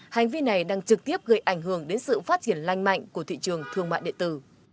hành vi này đang trực tiếp gây ảnh hưởng đến sự phát triển lanh mạnh của thị trường thương mại điện tử